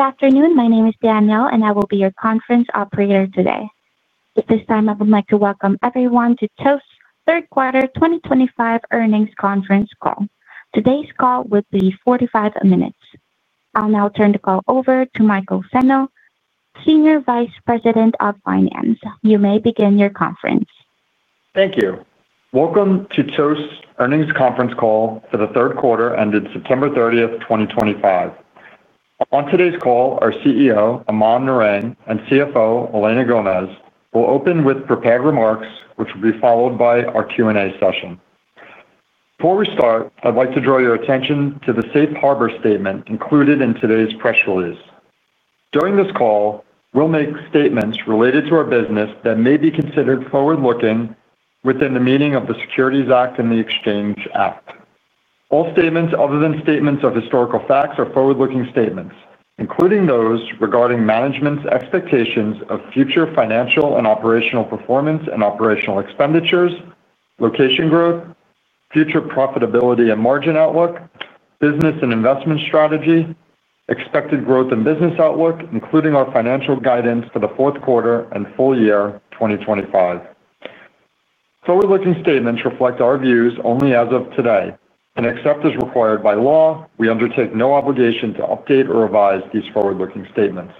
Good afternoon. My name is Danielle, and I will be your conference operator today. At this time, I would like to welcome everyone to Toast Third Quarter 2025 Earnings Conference Call. Today's call will be 45 minutes. I'll now turn the call over to Michael Senno, Senior Vice President of Finance. You may begin your conference. Thank you. Welcome to Toast Earnings Conference Call for the third quarter ended September 30th, 2025. On today's call, our CEO, Aman Narang, and CFO, Elena Gomez, will open with prepared remarks, which will be followed by our Q&A session. Before we start, I'd like to draw your attention to the Safe Harbor Statement included in today's press release. During this call, we'll make statements related to our business that may be considered forward-looking within the meaning of the Securities Act and the Exchange Act. All statements other than statements of historical facts are forward-looking statements, including those regarding management's expectations of future financial and operational performance and operational expenditures, location growth, future profitability and margin outlook, business and investment strategy, expected growth and business outlook, including our financial guidance for the fourth quarter and full year 2025. Forward-looking statements reflect our views only as of today, and except as required by law, we undertake no obligation to update or revise these forward-looking statements.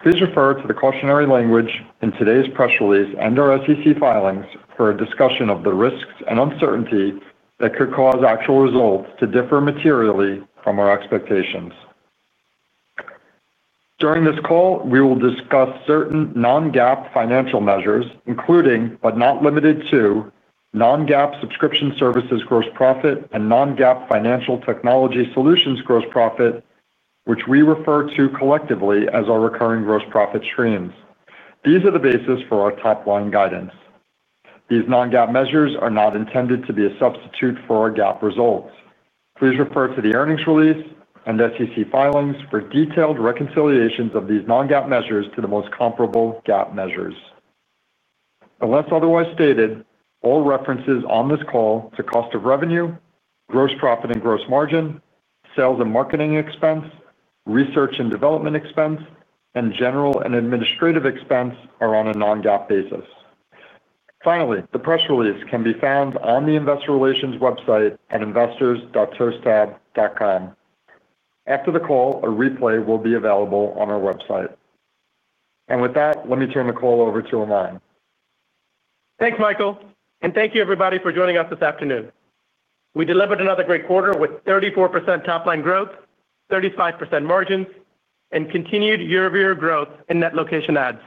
Please refer to the cautionary language in today's press release and our SEC filings for a discussion of the risks and uncertainty that could cause actual results to differ materially from our expectations. During this call, we will discuss certain non-GAAP financial measures, including but not limited to non-GAAP subscription services gross profit and non-GAAP financial technology solutions gross profit, which we refer to collectively as our recurring gross profit streams. These are the basis for our top-line guidance. These non-GAAP measures are not intended to be a substitute for our GAAP results. Please refer to the earnings release and SEC filings for detailed reconciliations of these non-GAAP measures to the most comparable GAAP measures. Unless otherwise stated, all references on this call to cost of revenue, gross profit and gross margin, sales and marketing expense, research and development expense, and general and administrative expense are on a non-GAAP basis. Finally, the press release can be found on the Investor Relations website at investors.toasttab.com. After the call, a replay will be available on our website. And with that, let me turn the call over to Aman. Thanks, Michael. And thank you, everybody, for joining us this afternoon. We delivered another great quarter with 34% top-line growth, 35% margins, and continued year-over-year growth in net location adds.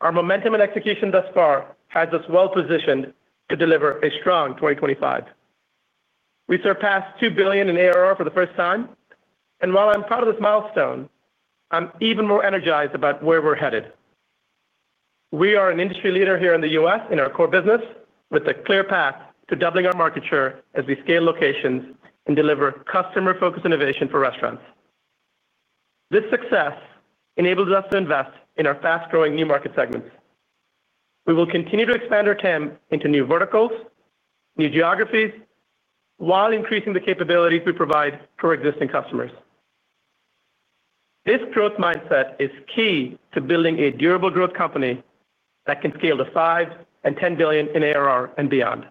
Our momentum and execution thus far has us well-positioned to deliver a strong 2025. We surpassed $2 billion in ARR for the first time. And while I'm proud of this milestone, I'm even more energized about where we're headed. We are an industry leader here in the U.S. in our core business with a clear path to doubling our market share as we scale locations and deliver customer-focused innovation for restaurants. This success enables us to invest in our fast-growing new market segments. We will continue to expand our TAM into new verticals, new geographies, while increasing the capabilities we provide for existing customers. This growth mindset is key to building a durable growth company that can scale to $5 billion and $10 billion in ARR and beyond.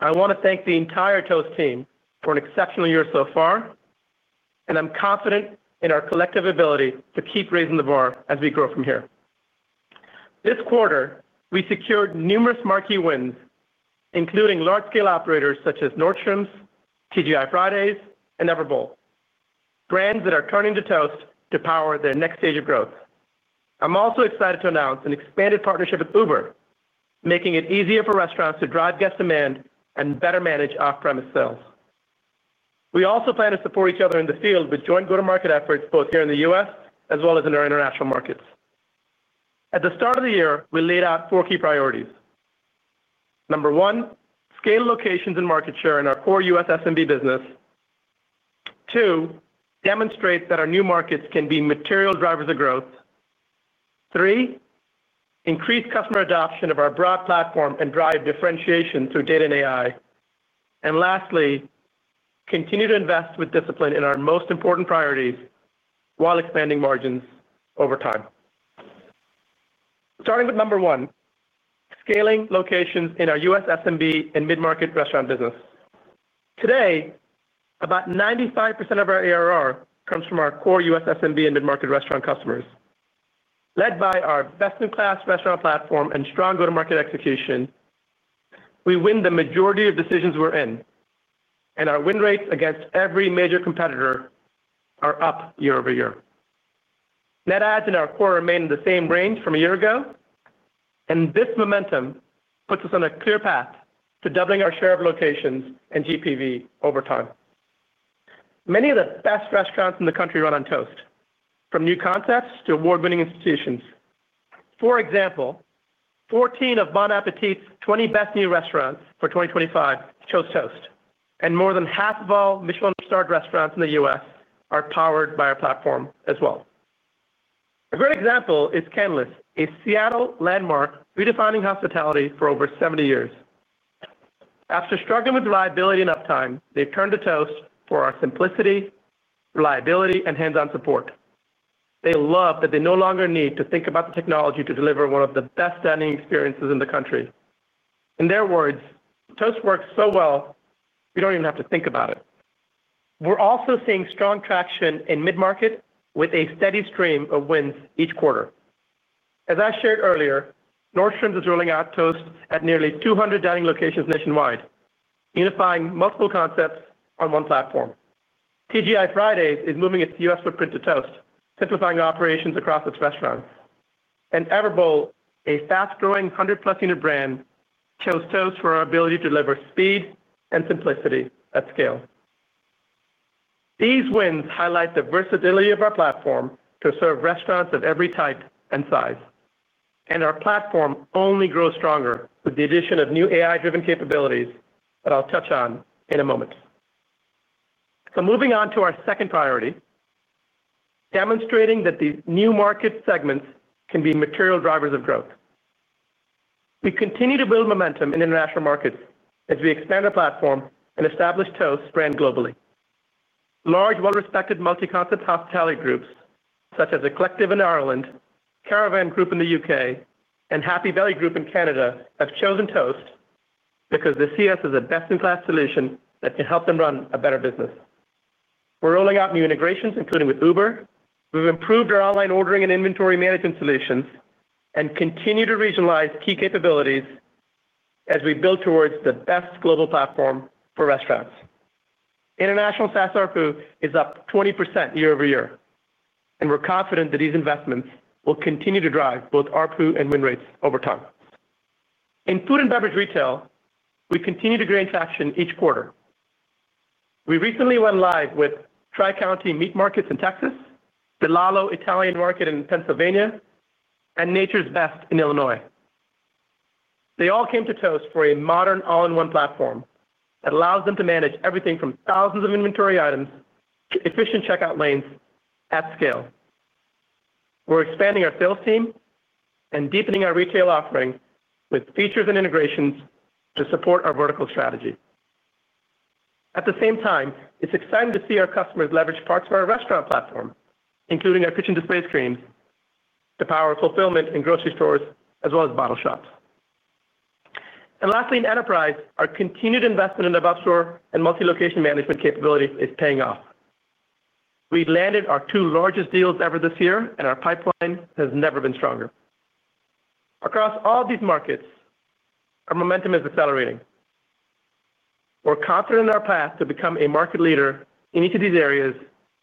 I want to thank the entire Toast team for an exceptional year so far, and I'm confident in our collective ability to keep raising the bar as we grow from here. This quarter, we secured numerous marquee wins, including large-scale operators such as Nordstrom, TGI Fridays, and Everbowl, brands that are turning to Toast to power their next stage of growth. I'm also excited to announce an expanded partnership with Uber, making it easier for restaurants to drive guest demand and better manage off-premise sales. We also plan to support each other in the field with joint go-to-market efforts both here in the U.S. as well as in our international markets. At the start of the year, we laid out four key priorities. Number one, scale locations and market share in our core U.S. SMB business. Two, demonstrate that our new markets can be material drivers of growth. Three, increase customer adoption of our broad platform and drive differentiation through data and AI. And lastly, continue to invest with discipline in our most important priorities while expanding margins over time. Starting with number one, scaling locations in our U.S. SMB and mid-market restaurant business. Today, about 95% of our ARR comes from our core U.S. SMB and mid-market restaurant customers. Led by our best-in-class restaurant platform and strong go-to-market execution, we win the majority of decisions we're in. And our win rates against every major competitor are up year over year. Net adds in our core remain in the same range from a year ago. And this momentum puts us on a clear path to doubling our share of locations and GPV over time. Many of the best restaurants in the country run on Toast, from new concepts to award-winning institutions. For example, 14 of Bon Appétit's 20 best new restaurants for 2025 chose Toast. And more than half of all Michelin-starred restaurants in the U.S. are powered by our platform as well. A great example is Canlis, a Seattle landmark redefining hospitality for over 70 years. After struggling with reliability and uptime, they've turned to Toast for our simplicity, reliability, and hands-on support. They love that they no longer need to think about the technology to deliver one of the best-standing experiences in the country. In their words, "Toast works so well, we don't even have to think about it." We're also seeing strong traction in mid-market with a steady stream of wins each quarter. As I shared earlier, Nordstrom is rolling out Toast at nearly 200 dining locations nationwide, unifying multiple concepts on one platform. TGI Fridays is moving its U.S. footprint to Toast, simplifying operations across its restaurants. And Everbowl, a fast-growing 100+ unit brand, chose Toast for our ability to deliver speed and simplicity at scale. These wins highlight the versatility of our platform to serve restaurants of every type and size. And our platform only grows stronger with the addition of new AI-driven capabilities that I'll touch on in a moment. So moving on to our second priority. Demonstrating that these new market segments can be material drivers of growth. We continue to build momentum in international markets as we expand our platform and establish Toast brand globally. Large, well-respected multi-concept hospitality groups such as Eclective in Ireland, Caravan Group in the U.K., and Happy Valley Group in Canada have chosen Toast because they see us as a best-in-class solution that can help them run a better business. We're rolling out new integrations, including with Uber. We've improved our online ordering and inventory management solutions and continue to regionalize key capabilities. As we build towards the best global platform for restaurants. International SaaS ARPU is up 20% year-over-year. And we're confident that these investments will continue to drive both ARPU and win rates over time. In food and beverage retail, we continue to gain traction each quarter. We recently went live with Tri-County Meat Markets in Texas, DeLallo Italian Market in Pennsylvania, and Nature's Best in Illinois. They all came to Toast for a modern all-in-one platform that allows them to manage everything from thousands of inventory items to efficient checkout lanes at scale. We're expanding our sales team and deepening our retail offering with features and integrations to support our vertical strategy. At the same time, it's exciting to see our customers leverage parts of our restaurant platform, including our kitchen display screens to power fulfillment in grocery stores as well as bottle shops. And lastly, in enterprise, our continued investment in the upstore and multi-location management capability is paying off. We've landed our two largest deals ever this year, and our pipeline has never been stronger. Across all these markets, our momentum is accelerating. We're confident in our path to become a market leader in each of these areas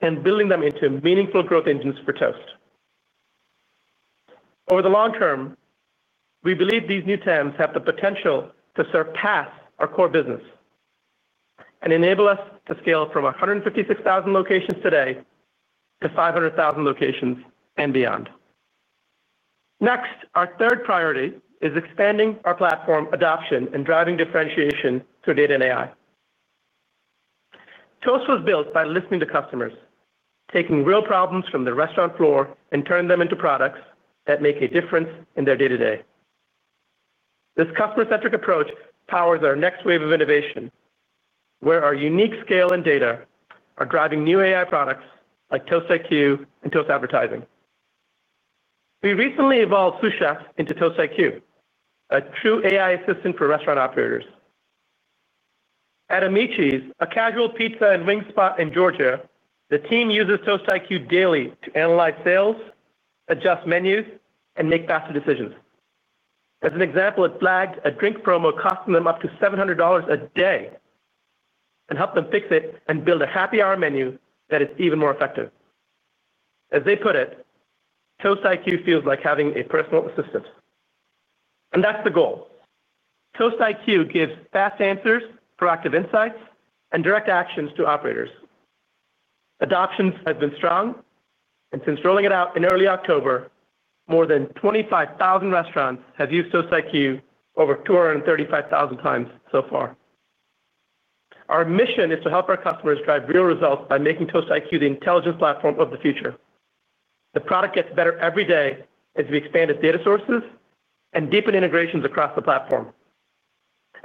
and building them into meaningful growth engines for Toast. Over the long term, we believe these new TAMs have the potential to surpass our core business. And enable us to scale from 156,000 locations today to 500,000 locations and beyond. Next, our third priority is expanding our platform adoption and driving differentiation through data and AI. Toast was built by listening to customers, taking real problems from the restaurant floor, and turning them into products that make a difference in their day-to-day. This customer-centric approach powers our next wave of innovation, where our unique scale and data are driving new AI products like Toast IQ and Toast Advertising. We recently evolved Sous Chef into Toast IQ, a true AI assistant for restaurant operators. At Amici's, a casual pizza and wing spot in Georgia, the team uses Toast IQ daily to analyze sales, adjust menus, and make faster decisions. As an example, it flagged a drink promo costing them up to $700 a day, and helped them fix it and build a happy hour menu that is even more effective. As they put it, "Toast IQ feels like having a personal assistant," and that's the goal. Toast IQ gives fast answers, proactive insights, and direct actions to operators. Adoptions have been strong, and since rolling it out in early October, more than 25,000 restaurants have used Toast IQ over 235,000 times so far. Our mission is to help our customers drive real results by making Toast IQ the intelligence platform of the future. The product gets better every day as we expand its data sources and deepen integrations across the platform.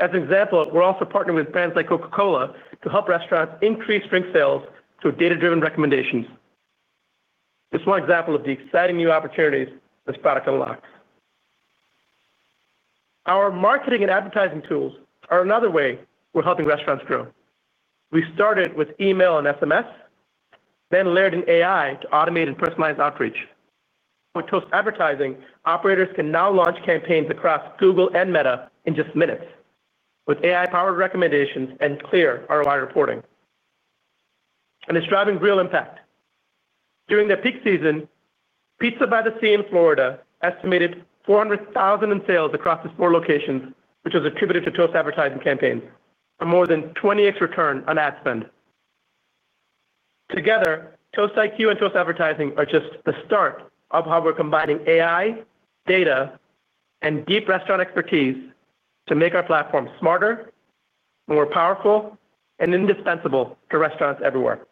As an example, we're also partnering with brands like Coca-Cola to help restaurants increase drink sales through data-driven recommendations. It's one example of the exciting new opportunities this product unlocks. Our marketing and advertising tools are another way we're helping restaurants grow. We started with email and SMS, then layered in AI to automate and personalize outreach. With Toast Advertising, operators can now launch campaigns across Google and Meta in just minutes, with AI-powered recommendations and clear ROI reporting. And it's driving real impact. During the peak season, Pizza by the Sea in Florida estimated $400,000 in sales across its four locations, which was attributed to Toast Advertising campaigns, for more than 20X return on ad spend. Together, Toast IQ and Toast Advertising are just the start of how we're combining AI, data, and deep restaurant expertise to make our platform smarter, more powerful, and indispensable to restaurants everywhere,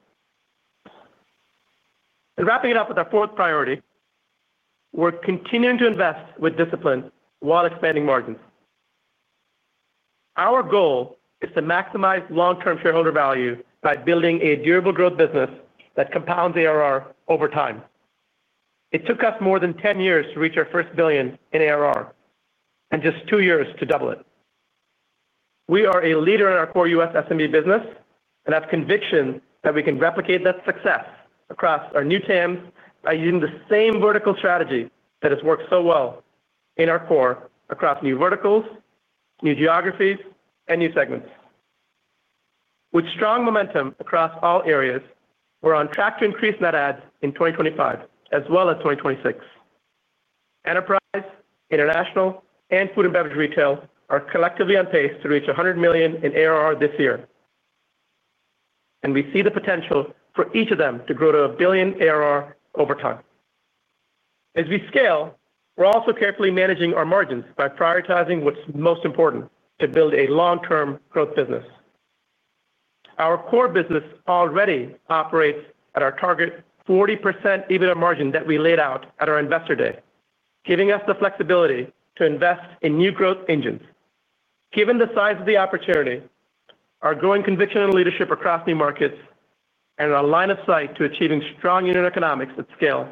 and wrapping it up with our fourth priority. We're continuing to invest with discipline while expanding margins. Our goal is to maximize long-term shareholder value by building a durable growth business that compounds ARR over time. It took us more than 10 years to reach our first billion in ARR and just two years to double it. We are a leader in our core U.S. SMB business, and I have conviction that we can replicate that success across our new TAMs by using the same vertical strategy that has worked so well in our core across new verticals, new geographies, and new segments. With strong momentum across all areas, we're on track to increase net adds in 2025 as well as 2026. Enterprise, international, and food and beverage retail are collectively on pace to reach $100 million in ARR this year. And we see the potential for each of them to grow to a billion ARR over time. As we scale, we're also carefully managing our margins by prioritizing what's most important to build a long-term growth business. Our core business already operates at our target 40% EBITDA margin that we laid out at our investor day, giving us the flexibility to invest in new growth engines. Given the size of the opportunity, our growing conviction and leadership across new markets, and our line of sight to achieving strong unit economics at scale,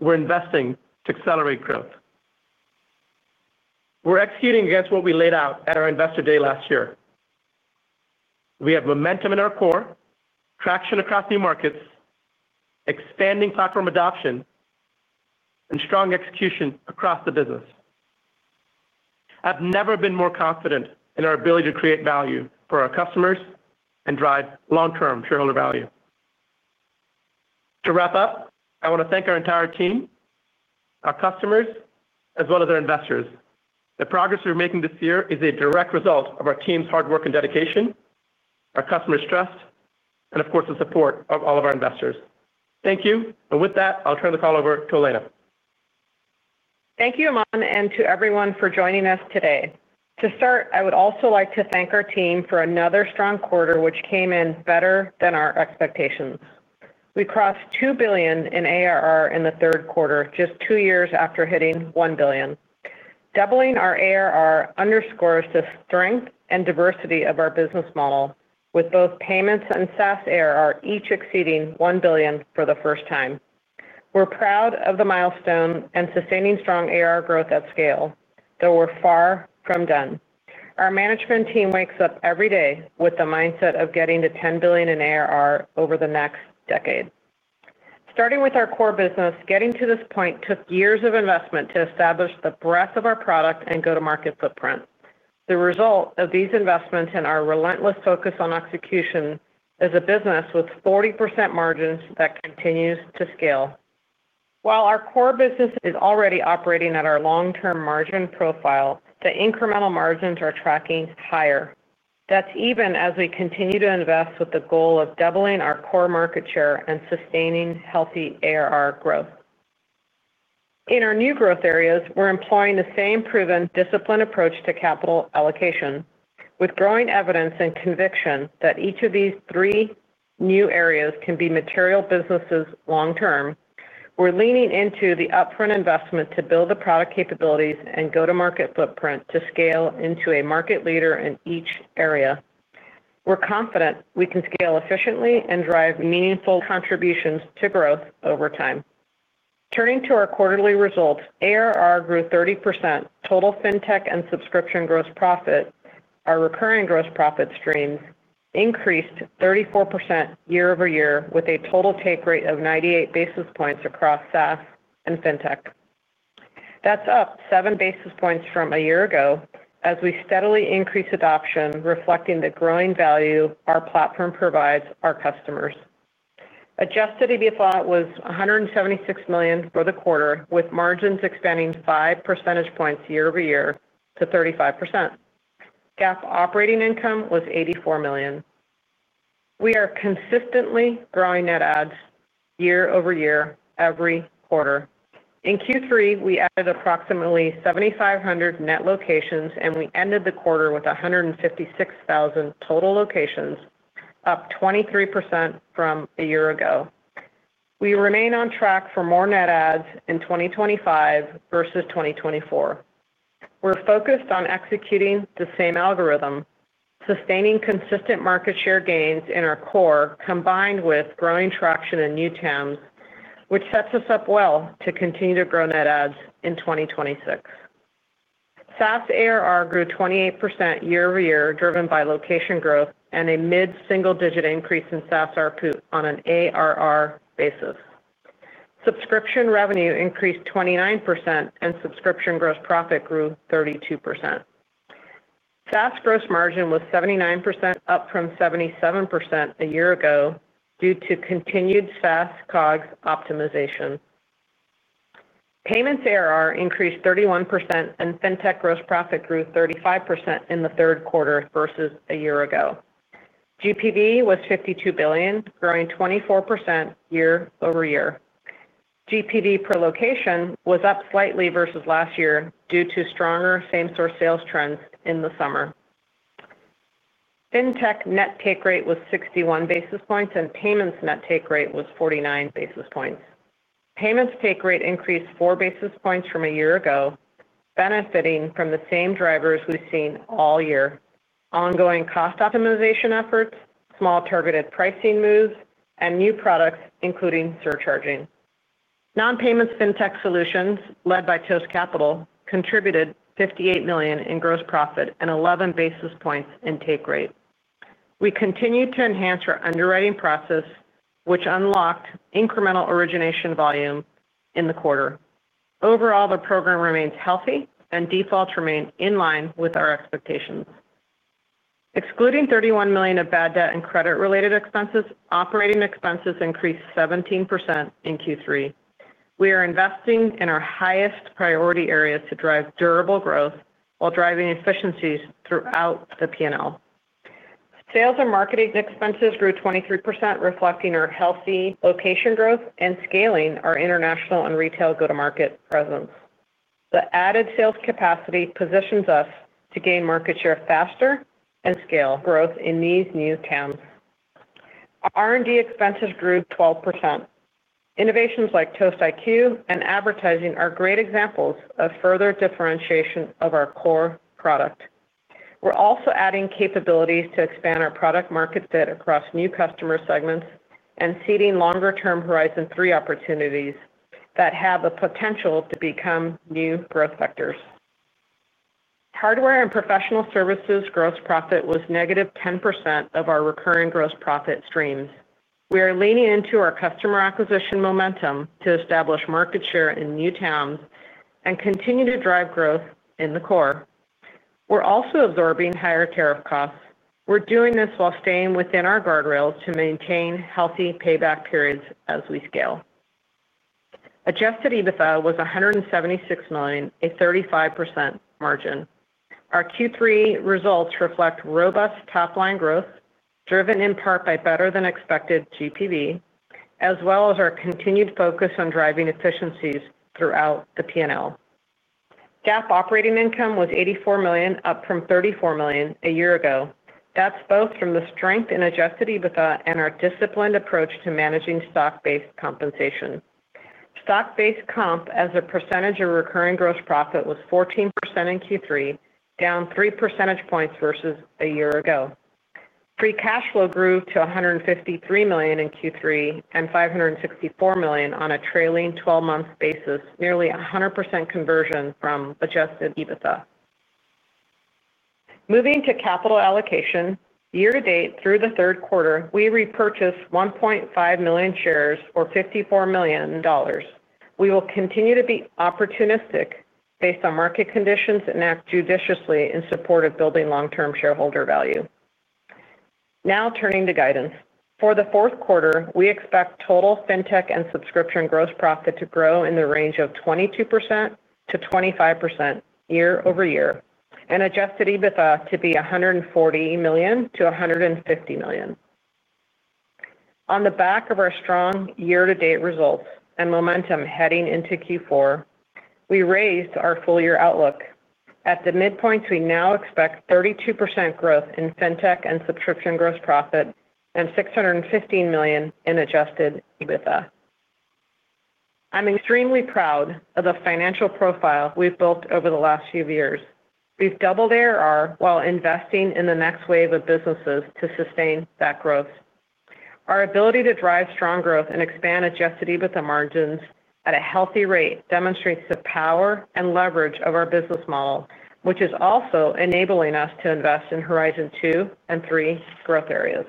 we're investing to accelerate growth. We're executing against what we laid out at our investor day last year. We have momentum in our core, traction across new markets, expanding platform adoption, and strong execution across the business. I've never been more confident in our ability to create value for our customers and drive long-term shareholder value. To wrap up, I want to thank our entire team, our customers, as well as our investors. The progress we're making this year is a direct result of our team's hard work and dedication, our customer trust, and of course, the support of all of our investors. Thank you. And with that, I'll turn the call over to Elena. Thank you, Aman, and to everyone for joining us today. To start, I would also like to thank our team for another strong quarter, which came in better than our expectations. We crossed $2 billion in ARR in the third quarter, just two years after hitting $1 billion. Doubling our ARR underscores the strength and diversity of our business model, with both payments and SaaS ARR each exceeding $1 billion for the first time. We're proud of the milestone and sustaining strong ARR growth at scale, though we're far from done. Our management team wakes up every day with the mindset of getting to $10 billion in ARR over the next decade. Starting with our core business, getting to this point took years of investment to establish the breadth of our product and go-to-market footprint. The result of these investments and our relentless focus on execution is a business with 40% margins that continues to scale. While our core business is already operating at our long-term margin profile, the incremental margins are tracking higher. That's even as we continue to invest with the goal of doubling our core market share and sustaining healthy ARR growth. In our new growth areas, we're employing the same proven discipline approach to capital allocation. With growing evidence and conviction that each of these three new areas can be material businesses long-term, we're leaning into the upfront investment to build the product capabilities and go-to-market footprint to scale into a market leader in each area. We're confident we can scale efficiently and drive meaningful contributions to growth over time. Turning to our quarterly results, ARR grew 30%. Total fintech and subscription gross profit, our recurring gross profit streams, increased 34% year-over-year with a total take rate of 98 basis points across SaaS and fintech. That's up 7 basis points from a year ago as we steadily increase adoption, reflecting the growing value our platform provides our customers. Adjusted EBITDA was $176 million for the quarter, with margins expanding 5 percentage points year-over-year to 35%. GAAP operating income was $84 million. We are consistently growing net adds year-over-year every quarter. In Q3, we added approximately 7,500 net locations, and we ended the quarter with 156,000 total locations, up 23% from a year ago. We remain on track for more net adds in 2025 versus 2024. We're focused on executing the same algorithm, sustaining consistent market share gains in our core combined with growing traction in new TAMs, which sets us up well to continue to grow net adds in 2026. SaaS ARR grew 28% year-over-year, driven by location growth and a mid-single-digit increase in SaaS ARPU on an ARR basis. Subscription revenue increased 29%, and subscription gross profit grew 32%. SaaS gross margin was 79%, up from 77% a year ago due to continued SaaS COGS optimization. Payments ARR increased 31%, and fintech gross profit grew 35% in the third quarter versus a year ago. GPV was $52 billion, growing 24% year-over-year. GPV per location was up slightly versus last year due to stronger same-store sales trends in the summer. Fintech net take rate was 61 basis points, and payments net take rate was 49 basis points. Payments take rate increased 4 basis points from a year ago, benefiting from the same drivers we've seen all year: ongoing cost optimization efforts, small targeted pricing moves, and new products, including surcharging. Non-payments fintech solutions led by Toast Capital contributed $58 million in gross profit and 11 basis points in take rate. We continued to enhance our underwriting process, which unlocked incremental origination volume in the quarter. Overall, the program remains healthy, and defaults remain in line with our expectations. Excluding $31 million of bad debt and credit-related expenses, operating expenses increased 17% in Q3. We are investing in our highest priority areas to drive durable growth while driving efficiencies throughout the P&L. Sales and marketing expenses grew 23%, reflecting our healthy location growth and scaling our international and retail go-to-market presence. The added sales capacity positions us to gain market share faster and scale growth in these new TAMs. R&D expenses grew 12%. Innovations like Toast IQ and advertising are great examples of further differentiation of our core product. We're also adding capabilities to expand our product market fit across new customer segments and seeding longer-term Horizon 3 opportunities that have the potential to become new growth factors. Hardware and professional services gross profit was -10% of our recurring gross profit streams. We are leaning into our customer acquisition momentum to establish market share in new TAMs and continue to drive growth in the core. We're also absorbing higher tariff costs. We're doing this while staying within our guardrails to maintain healthy payback periods as we scale. Adjusted EBITDA was $176 million, a 35% margin. Our Q3 results reflect robust top-line growth, driven in part by better-than-expected GPV, as well as our continued focus on driving efficiencies throughout the P&L. GAAP operating income was $84 million, up from $34 million a year ago. That's both from the strength in adjusted EBITDA and our disciplined approach to managing stock-based compensation. Stock-based comp as a percentage of recurring gross profit was 14% in Q3, down 3 percentage points versus a year ago. Free cash flow grew to $153 million in Q3 and $564 million on a trailing 12-month basis, nearly 100% conversion from adjusted EBITDA. Moving to capital allocation, year-to-date through the third quarter, we repurchased 1.5 million shares, or $54 million. We will continue to be opportunistic based on market conditions and act judiciously in support of building long-term shareholder value. Now turning to guidance. For the fourth quarter, we expect total fintech and subscription gross profit to grow in the range of 22%-25% year-over-year and adjusted EBITDA to be $140 million-$150 million. On the back of our strong year-to-date results and momentum heading into Q4, we raised our full-year outlook. At the midpoint, we now expect 32% growth in fintech and subscription gross profit and $615 million in adjusted EBITDA. I'm extremely proud of the financial profile we've built over the last few years. We've doubled ARR while investing in the next wave of businesses to sustain that growth. Our ability to drive strong growth and expand adjusted EBITDA margins at a healthy rate demonstrates the power and leverage of our business model, which is also enabling us to invest in Horizon 2 and 3 growth areas.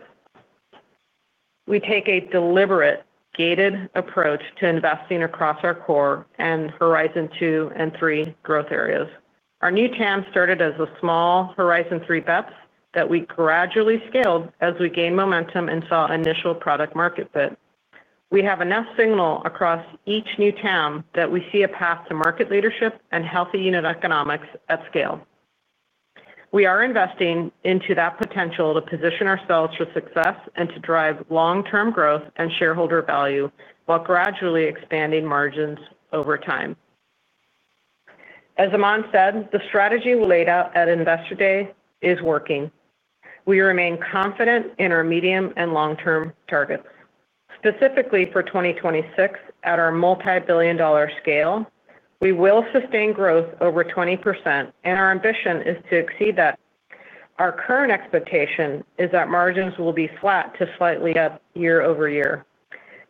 We take a deliberate, gated approach to investing across our core and Horizon 2 and 3 growth areas. Our new TAMs started as a small Horizon 3 bets that we gradually scaled as we gained momentum and saw initial product-market fit. We have enough signal across each new TAM that we see a path to market leadership and healthy unit economics at scale. We are investing into that potential to position ourselves for success and to drive long-term growth and shareholder value while gradually expanding margins over time. As Aman said, the strategy we laid out at investor day is working. We remain confident in our medium and long-term targets. Specifically for 2026, at our multi-billion dollar scale, we will sustain growth over 20%, and our ambition is to exceed that. Our current expectation is that margins will be flat to slightly up year-over-year.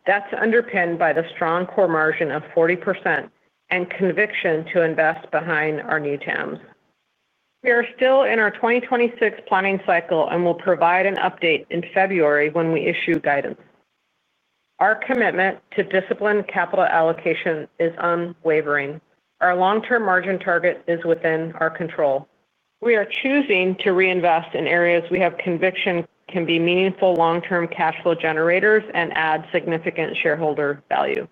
That's underpinned by the strong core margin of 40% and conviction to invest behind our new TAMs. We are still in our 2026 planning cycle and will provide an update in February when we issue guidance. Our commitment to disciplined capital allocation is unwavering. Our long-term margin target is within our control. We are choosing to reinvest in areas we have conviction can be meaningful long-term cash flow generators and add significant shareholder value.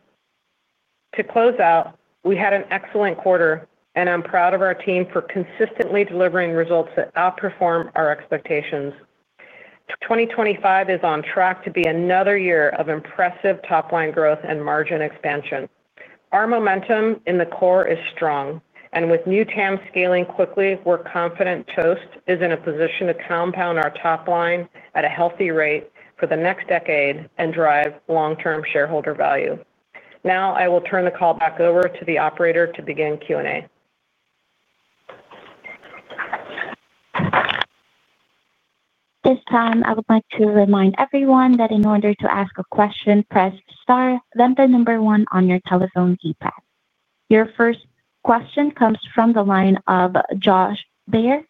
To close out, we had an excellent quarter, and I'm proud of our team for consistently delivering results that outperform our expectations. 2025 is on track to be another year of impressive top-line growth and margin expansion. Our momentum in the core is strong, and with new TAMs scaling quickly, we're confident Toast is in a position to compound our top line at a healthy rate for the next decade and drive long-term shareholder value. Now I will turn the call back over to the operator to begin Q&A. This time, I would like to remind everyone that in order to ask a question, press star, then the number one on your telephone keypad. Your first question comes from the line of Josh Baer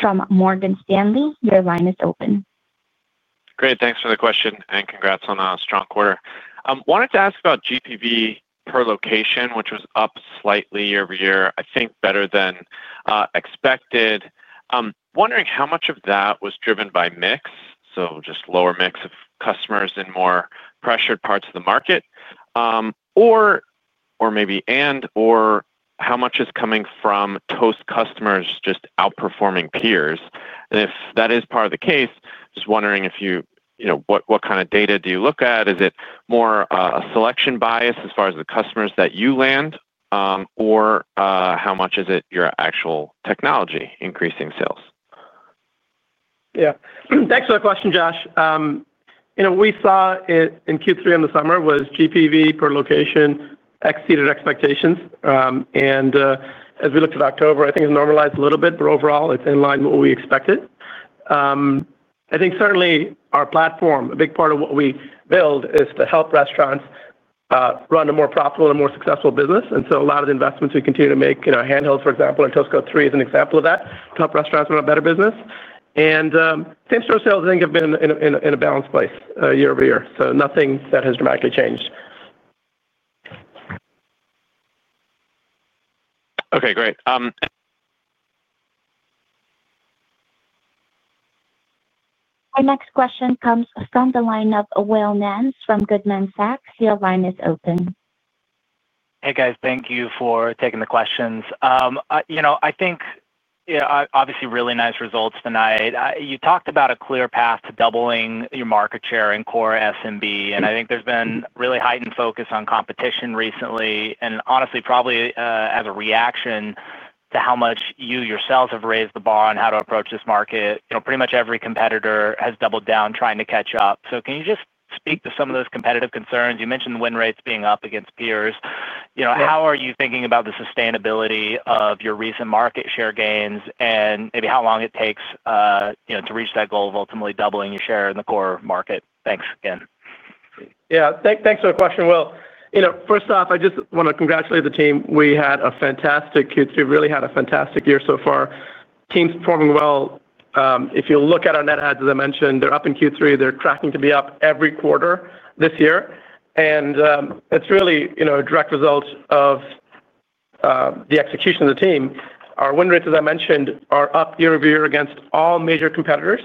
from Morgan Stanley. Your line is open. Great. Thanks for the question, and congrats on a strong quarter. I wanted to ask about GPV per location, which was up slightly year-over-year, I think better than expected. I'm wondering how much of that was driven by mix, so just lower mix of customers in more pressured parts of the market. Or maybe and/or how much is coming from Toast customers just outperforming peers? And if that is part of the case, just wondering if you, what kind of data do you look at? Is it more a selection bias as far as the customers that you land. Or how much is it your actual technology increasing sales? Yeah. Thanks for the question, Josh. We saw it in Q3 in the summer was GPV per location exceeded expectations. And as we looked at October, I think it's normalized a little bit, but overall, it's in line with what we expected. I think certainly our platform, a big part of what we build is to help restaurants run a more profitable and more successful business. And so a lot of the investments we continue to make, handhelds, for example, or Toast Go 3 is an example of that, to help restaurants run a better business. And same-store sales, I think, have been in a balanced place year-over-year, so nothing that has dramatically changed. Okay. Great. Our next question comes from the line of Will Nance from Goldman Sachs. Your line is open. Hey, guys. Thank you for taking the questions. I think obviously, really nice results tonight. You talked about a clear path to doubling your market share in core SMB, and I think there's been really heightened focus on competition recently and honestly, probably as a reaction to how much you yourselves have raised the bar on how to approach this market. Pretty much every competitor has doubled down trying to catch up. So can you just speak to some of those competitive concerns? You mentioned win rates being up against peers. How are you thinking about the sustainability of your recent market share gains and maybe how long it takes to reach that goal of ultimately doubling your share in the core market? Thanks again. Yeah. Thanks for the question, Will. First off, I just want to congratulate the team. We had a fantastic Q3. We've really had a fantastic year so far. Teams performing well. If you look at our net adds, as I mentioned, they're up in Q3. They're tracking to be up every quarter this year. And it's really a direct result of the execution of the team. Our win rates, as I mentioned, are up year-over-year against all major competitors.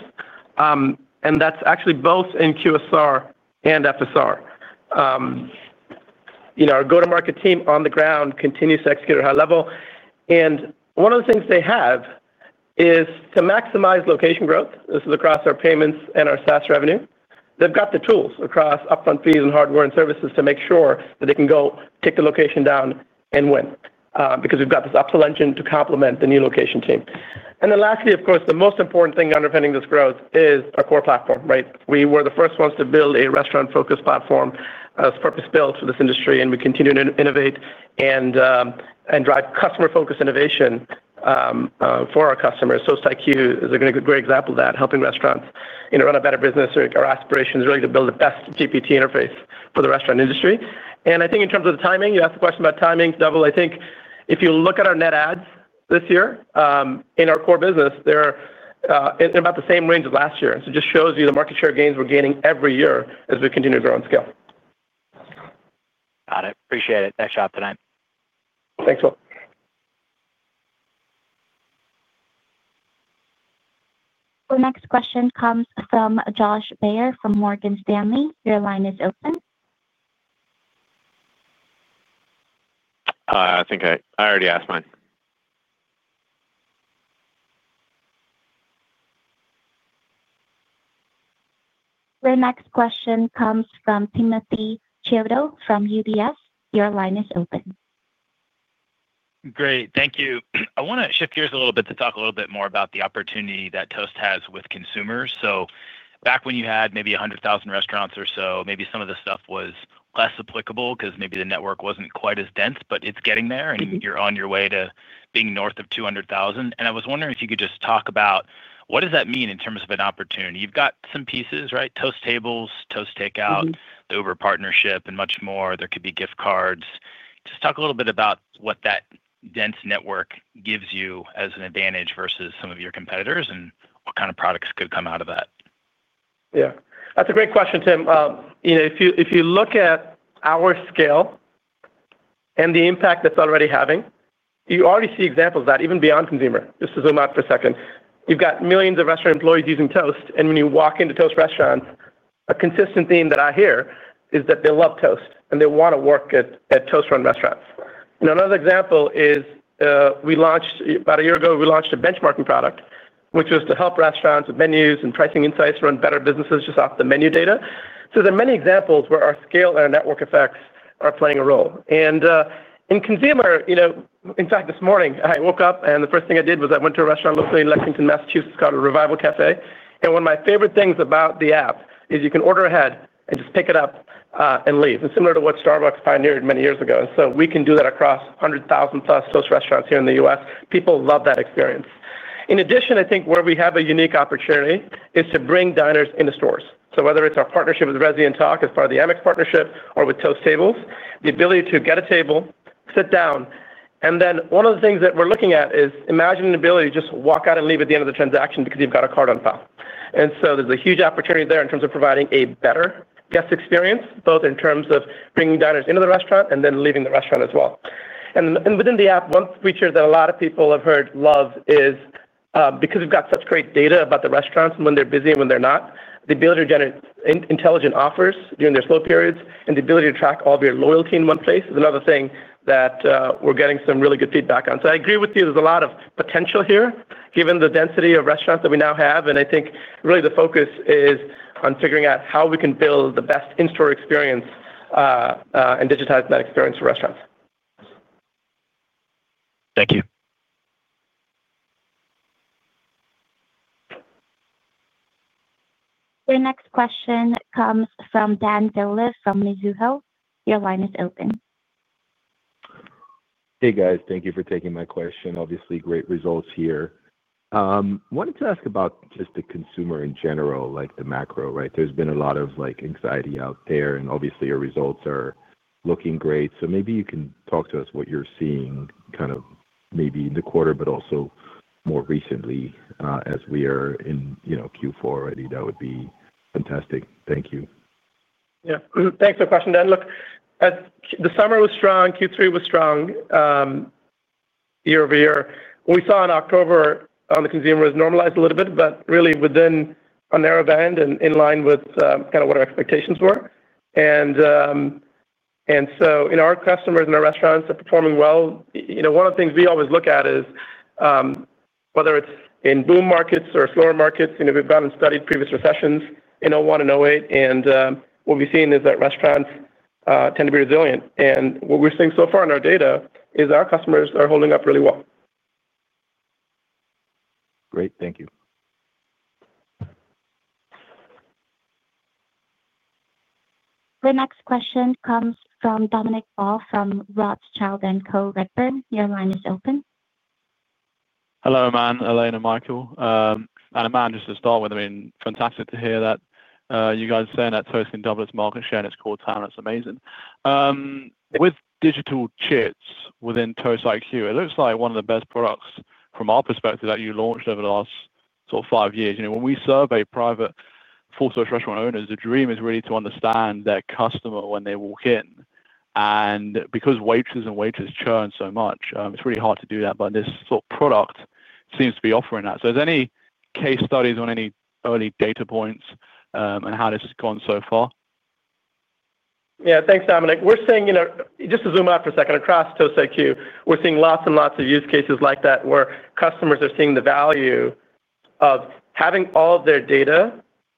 And that's actually both in QSR and FSR. Our go-to-market team on the ground continues to execute at a high level. And one of the things they have is to maximize location growth. This is across our payments and our SaaS revenue. They've got the tools across upfront fees and hardware and services to make sure that they can go take the location down and win because we've got this upsell engine to complement the new location team. And then lastly, of course, the most important thing underpinning this growth is our core platform, right? We were the first ones to build a restaurant-focused platform as purpose-built for this industry, and we continue to innovate and drive customer-focused innovation for our customers. Toast IQ is a great example of that, helping restaurants run a better business. Our aspiration is really to build the best GPT interface for the restaurant industry. And I think in terms of the timing, you asked the question about timing, double, I think if you look at our net adds this year in our core business, they're in about the same range as last year. So it just shows you the market share gains we're gaining every year as we continue to grow and scale. Got it. Appreciate it. Nice job tonight. Thanks, Will. Our next question comes from Josh Baer from Morgan Stanley. Your line is open. I think I already asked mine. Our next question comes from Timothy Chiodo from UBS. Your line is open. Great. Thank you. I want to shift gears a little bit to talk a little bit more about the opportunity that Toast has with consumers. So back when you had maybe 100,000 restaurants or so, maybe some of the stuff was less applicable because maybe the network wasn't quite as dense, but it's getting there, and you're on your way to being north of 200,000. And I was wondering if you could just talk about what does that mean in terms of an opportunity? You've got some pieces, right? Toast Tables, Toast takeout, the Uber partnership, and much more. There could be gift cards. Just talk a little bit about what that dense network gives you as an advantage versus some of your competitors and what kind of products could come out of that. Yeah. That's a great question, Tim. If you look at our scale and the impact that's already having, you already see examples of that even beyond consumer. Just to zoom out for a second, you've got millions of restaurant employees using Toast, and when you walk into Toast restaurants, a consistent theme that I hear is that they love Toast, and they want to work at Toast-run restaurants. Another example is. About a year ago, we launched a benchmarking product, which was to help restaurants with menus and pricing insights run better businesses just off the menu data. So there are many examples where our scale and our network effects are playing a role. And in consumer, in fact, this morning, I woke up, and the first thing I did was I went to a restaurant locally in Lexington, Massachusetts, called Revival Cafe. And one of my favorite things about the app is you can order ahead and just pick it up and leave. It's similar to what Starbucks pioneered many years ago. And so we can do that across 100,000+ Toast restaurants here in the U.S. People love that experience. In addition, I think where we have a unique opportunity is to bring diners into stores. So whether it's our partnership with Resy as part of the Amex partnership or with Toast Tables, the ability to get a table, sit down, and then one of the things that we're looking at is imagining the ability to just walk out and leave at the end of the transaction because you've got a card on file. And so there's a huge opportunity there in terms of providing a better guest experience, both in terms of bringing diners into the restaurant and then leaving the restaurant as well. And within the app, one feature that a lot of people have heard love is because we've got such great data about the restaurants and when they're busy and when they're not, the ability to generate intelligent offers during their slow periods and the ability to track all of your loyalty in one place is another thing that we're getting some really good feedback on. So I agree with you. There's a lot of potential here given the density of restaurants that we now have. And I think really the focus is on figuring out how we can build the best in-store experience and digitize that experience for restaurants. Thank you. Your next question comes from Dan Dolev from Mizuho. Your line is open. Hey, guys. Thank you for taking my question. Obviously, great results here. I wanted to ask about just the consumer in general, like the macro, right? There's been a lot of anxiety out there, and obviously, your results are looking great. So maybe you can talk to us what you're seeing kind of maybe in the quarter, but also more recently as we are in Q4 already. That would be fantastic. Thank you. Yeah. Thanks for the question, Dan. Look. The summer was strong. Q3 was strong. Year-over-year. What we saw in October on the consumer has normalized a little bit, but really within a narrow band and in line with kind of what our expectations were. And so in our customers and our restaurants that are performing well, one of the things we always look at is whether it's in boom markets or slower markets. We've gone and studied previous recessions in '01 and '08, and what we've seen is that restaurants tend to be resilient. And what we're seeing so far in our data is our customers are holding up really well. Great. Thank you. Our next question comes from Dominic Ball from Rothschild & Co Redburn. Your line is open. Hello, Aman, Elena, Michael. And Aman, just to start with, I mean, fantastic to hear that you guys are saying that Toast in Dublin's market share in its core TAM. That's amazing. With digital chits within Toast IQ, it looks like one of the best products from our perspective that you launched over the last sort of five years. When we survey private full-service restaurant owners, the dream is really to understand their customer when they walk in. And because waitresses churn so much, it's really hard to do that. But this sort of product seems to be offering that. So is there any case studies on any early data points and how this has gone so far? Yeah. Thanks, Dominic. We're seeing just to zoom out for a second across Toast IQ, we're seeing lots and lots of use cases like that where customers are seeing the value of having all of their data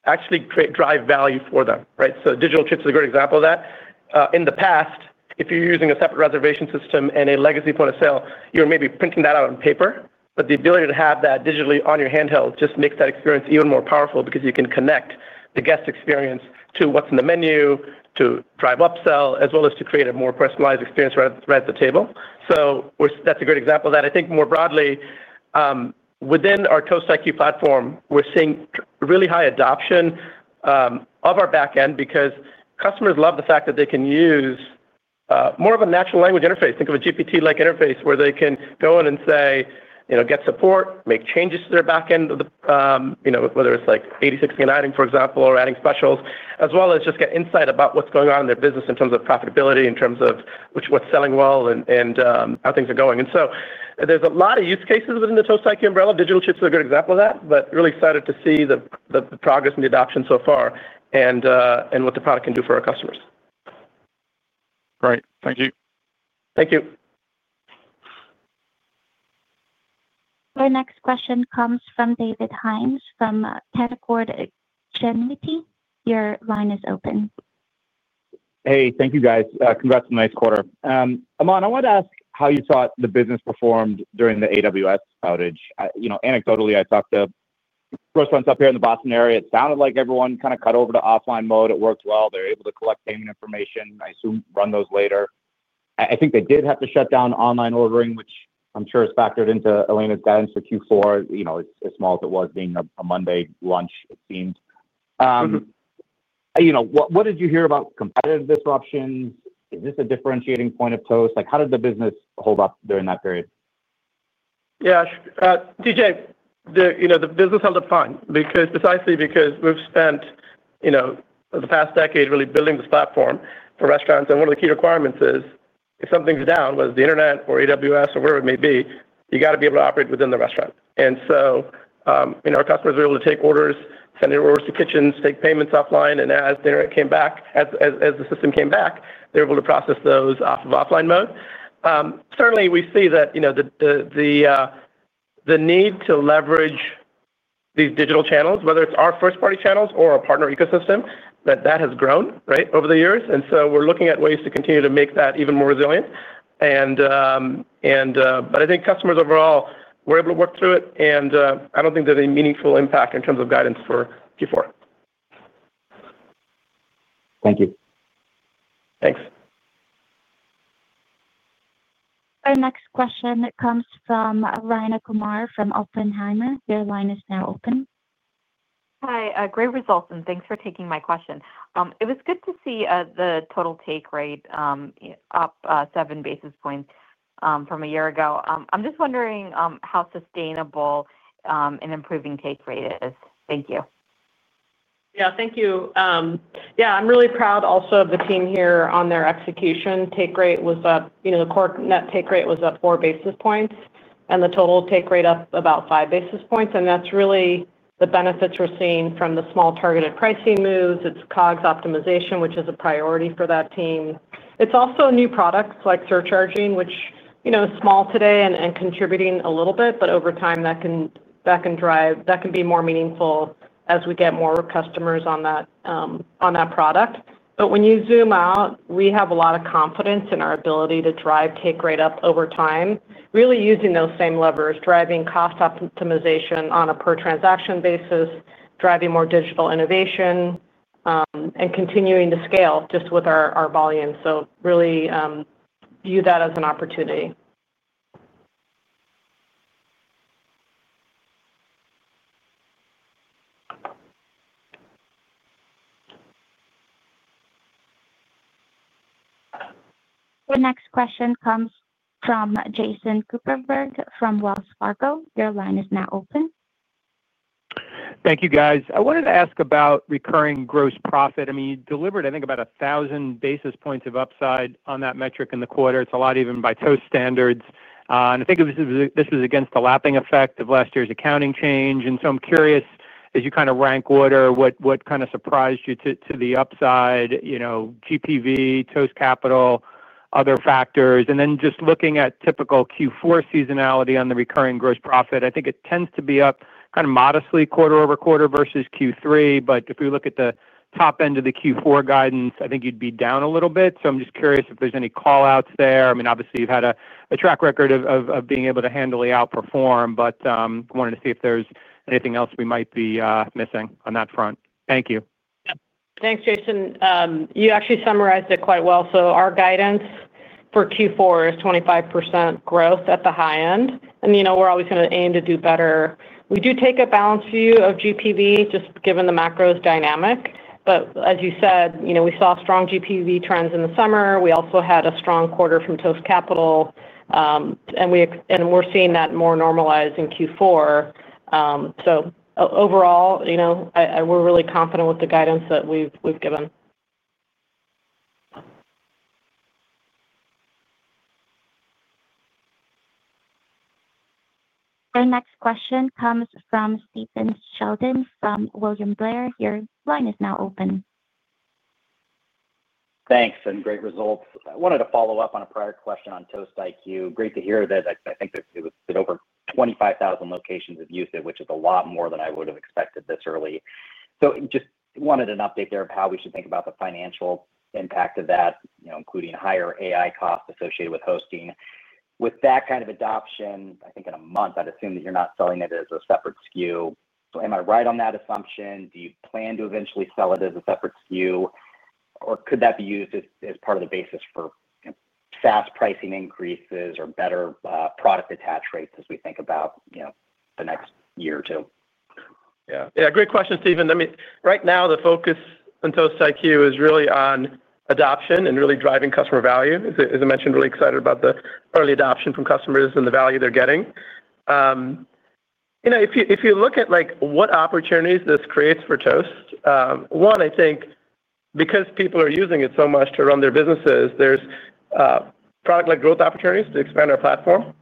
actually drive value for them, right? So digital chits is a great example of that. In the past, if you're using a separate reservation system and a legacy point of sale, you're maybe printing that out on paper, but the ability to have that digitally on your handheld just makes that experience even more powerful because you can connect the guest experience to what's in the menu, to drive upsell, as well as to create a more personalized experience right at the table. So that's a great example of that. I think more broadly within our Toast IQ platform, we're seeing really high adoption of our backend because customers love the fact that they can use more of a natural language interface. Think of a GPT-like interface where they can go in and say, "Get support, make changes to their backend." Whether it's like 86 and adding, for example, or adding specials, as well as just get insight about what's going on in their business in terms of profitability, in terms of what's selling well, and how things are going. And so there's a lot of use cases within the Toast IQ umbrella. Digital chits is a good example of that, but really excited to see the progress and the adoption so far and what the product can do for our customers. Great. Thank you. Thank you. Our next question comes from David Hynes from Canaccord Genuity. Your line is open. Hey, thank you, guys. Congrats on the nice quarter. Aman, I wanted to ask how you thought the business performed during the AWS outage. Anecdotally, I talked to restaurants up here in the Boston area. It sounded like everyone kind of cut over to offline mode. It worked well. They were able to collect payment information. I assume run those later. I think they did have to shut down online ordering, which I'm sure is factored into Elena's guidance for Q4, as small as it was being a Monday lunch, it seemed. What did you hear about competitive disruptions? Is this a differentiating point of Toast? How did the business hold up during that period? Yeah. The business held up fine precisely because we've spent the past decade really building this platform for restaurants. And one of the key requirements is if something's down, whether it's the internet or AWS or wherever it may be, you got to be able to operate within the restaurant. And so our customers were able to take orders, send their orders to kitchens, take payments offline. And as the internet came back, as the system came back, they were able to process those off of offline mode. Certainly, we see that the need to leverage these digital channels, whether it's our first-party channels or a partner ecosystem, that that has grown over the years. And so we're looking at ways to continue to make that even more resilient. But I think customers overall were able to work through it, and I don't think there's any meaningful impact in terms of guidance for Q4. Thank you. Thanks. Our next question comes from Rayna Kumar from Oppenheimer. Your line is now open. Hi. Great results, and thanks for taking my question. It was good to see the total take rate up seven basis points from a year ago. I'm just wondering how sustainable and improving take rate is. Thank you. Yeah. Thank you. Yeah. I'm really proud also of the team here on their execution. Take rate was up. The core net take rate was up four basis points, and the total take rate up about five basis points. And that's really the benefits we're seeing from the small targeted pricing moves. It's COGS optimization, which is a priority for that team. It's also new products like surcharging, which is small today and contributing a little bit, but over time that can drive, that can be more meaningful as we get more customers on that product. But when you zoom out, we have a lot of confidence in our ability to drive take rate up over time, really using those same levers, driving cost optimization on a per-transaction basis, driving more digital innovation. And continuing to scale just with our volume. So really view that as an opportunity. Our next question comes from Jason Kupferberg from Wells Fargo. Your line is now open. Thank you, guys. I wanted to ask about recurring gross profit. I mean, you delivered, I think, about 1,000 basis points of upside on that metric in the quarter. It's a lot even by Toast standards. And I think this was against the lapping effect of last year's accounting change. And so I'm curious, as you kind of rank order, what kind of surprised you to the upside? GPV, Toast Capital, other factors. And then just looking at typical Q4 seasonality on the recurring gross profit, I think it tends to be up kind of modestly quarter over quarter versus Q3. But if we look at the top end of the Q4 guidance, I think you'd be down a little bit. So I'm just curious if there's any callouts there. I mean, obviously, you've had a track record of being able to handily outperform, but I wanted to see if there's anything else we might be missing on that front. Thank you. Thanks, Jason. You actually summarized it quite well. So our guidance for Q4 is 25% growth at the high end. And we're always going to aim to do better. We do take a balanced view of GPV just given the macro's dynamic. But as you said, we saw strong GPV trends in the summer. We also had a strong quarter from Toast Capital. And we're seeing that more normalized in Q4. So overall we're really confident with the guidance that we've given. Our next question comes from Stephen Sheldon from William Blair. Your line is now open. Thanks. And great results. I wanted to follow up on a prior question on Toast IQ. Great to hear that I think it was over 25,000 locations have used it, which is a lot more than I would have expected this early. So just wanted an update there of how we should think about the financial impact of that, including higher AI costs associated with hosting. With that kind of adoption, I think in a month, I'd assume that you're not selling it as a separate SKU. Am I right on that assumption? Do you plan to eventually sell it as a separate SKU? Or could that be used as part of the basis for fast pricing increases or better product attach rates as we think about the next year or two? Yeah. Yeah. Great question, Stephen. I mean, right now, the focus on Toast IQ is really on adoption and really driving customer value. As I mentioned, really excited about the early adoption from customers and the value they're getting. If you look at what opportunities this creates for Toast, one, I think because people are using it so much to run their businesses, there's product-led growth opportunities to expand our platform.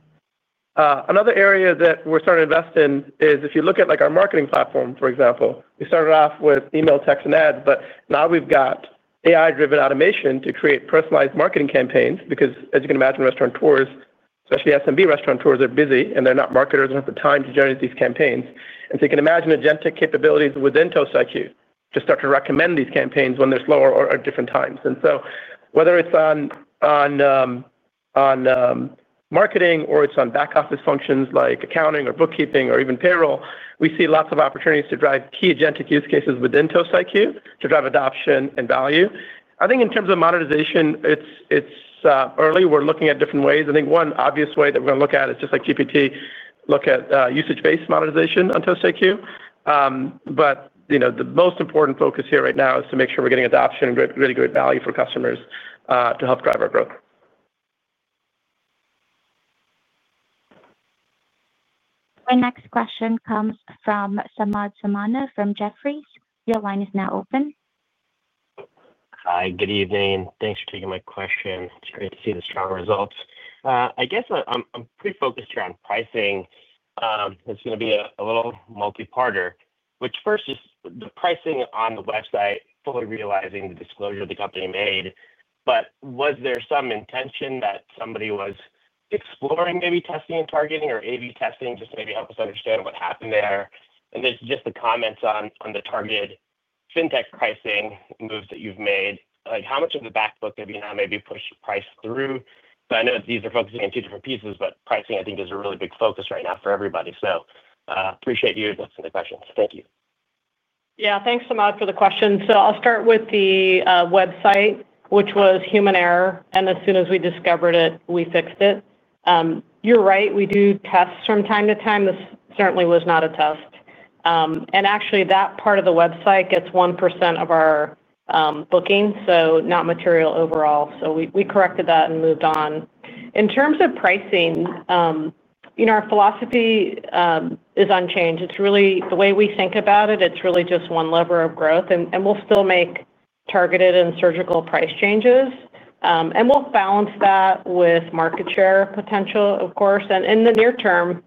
Another area that we're starting to invest in is if you look at our marketing platform, for example, we started off with email, text, and ads, but now we've got AI-driven automation to create personalized marketing campaigns because, as you can imagine, restaurant owners, especially SMB restaurant owners, are busy, and they're not marketers and have the time to generate these campaigns. And so you can imagine agentic capabilities within Toast IQ to start to recommend these campaigns when there's slower or different times. And so whether it's on marketing or it's on back-office functions like accounting or bookkeeping or even payroll, we see lots of opportunities to drive key agentic use cases within Toast IQ to drive adoption and value. I think in terms of monetization, it's early. We're looking at different ways. I think one obvious way that we're going to look at is just like GPT, look at usage-based monetization on Toast IQ. But the most important focus here right now is to make sure we're getting adoption and really great value for customers to help drive our growth. Our next question comes from Samad Samana from Jefferies. Your line is now open. Hi. Good evening. Thanks for taking my question. It's great to see the strong results. I guess I'm pretty focused here on pricing. It's going to be a little multi-parted, which first is the pricing on the website, fully realizing the disclosure the company made. But was there some intention that somebody was exploring maybe testing and targeting or A/B testing just to maybe help us understand what happened there? And there's just the comments on the targeted fintech pricing moves that you've made. How much of the backbook have you now maybe pushed price through? So I know that these are focusing on two different pieces, but pricing, I think, is a really big focus right now for everybody. So appreciate you addressing the questions. Thank you. Yeah. Thanks, Samad, for the questions. So I'll start with the website, which was human error. And as soon as we discovered it, we fixed it. You're right. We do tests from time to time. This certainly was not a test. And actually, that part of the website gets 1% of our booking, so not material overall. So we corrected that and moved on. In terms of pricing, our philosophy is unchanged. It's really the way we think about it. It's really just one lever of growth. And we'll still make targeted and surgical price changes. And we'll balance that with market share potential, of course. And in the near term,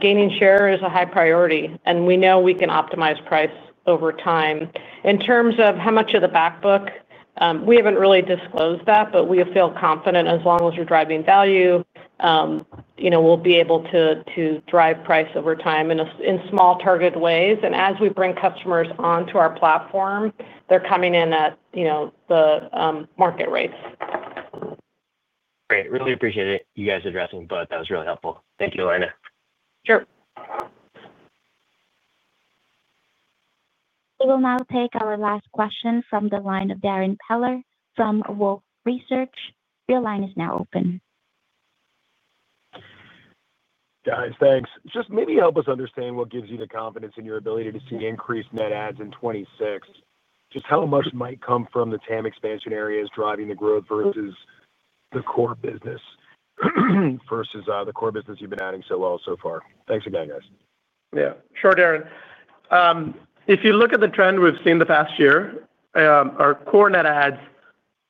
gaining share is a high priority. And we know we can optimize price over time. In terms of how much of the backbook, we haven't really disclosed that, but we feel confident as long as we're driving value, we'll be able to drive price over time in small targeted ways. And as we bring customers onto our platform, they're coming in at the market rates. Great. Really appreciate it. You guys addressing both. That was really helpful. Thank you, Elena. Sure. We will now take our last question from the line of Darrin Peller from Wolfe Research. Your line is now open. Guys, thanks. Just maybe help us understand what gives you the confidence in your ability to see increased net adds in 2026. Just how much might come from the TAM expansion areas driving the growth versus the core business. Versus the core business you've been adding so well so far. Thanks again, guys. Yeah. Sure, Darrin. If you look at the trend we've seen the past year, our core net adds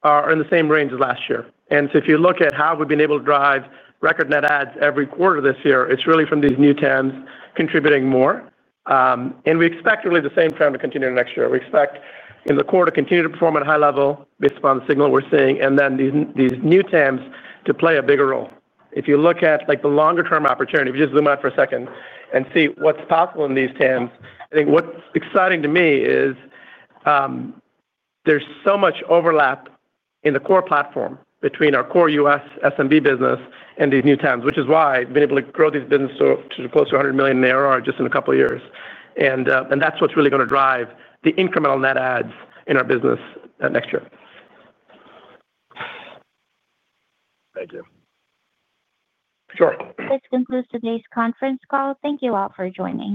are in the same range as last year. And so if you look at how we've been able to drive record net adds every quarter this year, it's really from these new TAMs contributing more. And we expect really the same trend to continue next year. We expect in the quarter to continue to perform at a high level based upon the signal we're seeing, and then these new TAMs to play a bigger role. If you look at the longer-term opportunity, if you just zoom out for a second and see what's possible in these TAMs, I think what's exciting to me is. There's so much overlap in the core platform between our core U.S. SMB business and these new TAMs, which is why we've been able to grow these businesses to close to $100 million in ARR just in a couple of years. And that's what's really going to drive the incremental net adds in our business next year. Thank you. Sure. This concludes today's conference call. Thank you all for joining.